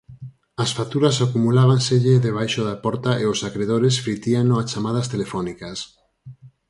As facturas acumulábanselle debaixo da porta e os acredores fritíano a chamadas telefónicas.